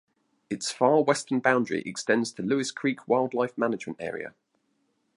Its far western boundary extends to Lewis Creek Wildlife Management Area.